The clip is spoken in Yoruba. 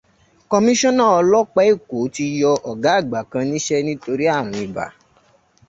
Kọmíṣọ́nà ọlọ́pàá Èkó ti yọ ọ̀gá àgbà kan níṣẹ́ nítorí àrùn ibà.